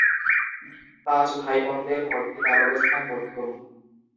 পাঁচ ভাই-বোনদের মধ্যে তার অবস্থান মধ্যম।